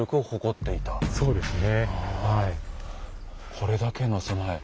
これだけの備え。